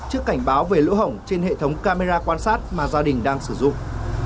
trước cảnh báo về lỗ hỏng trên hệ thống camera quan sát mà gia đình đang sử dụng